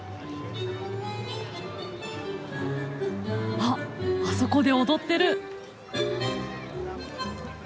あっあそこで踊ってる。